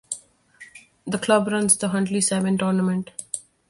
The club runs the Huntly Sevens tournament.